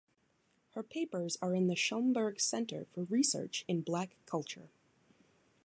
Her papers are in the Schomburg Center for Research in Black Culture.